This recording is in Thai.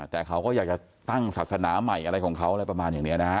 แต่เขาก็อยากจะตั้งศาสนาใหม่อะไรของเขาอะไรประมาณอย่างนี้นะฮะ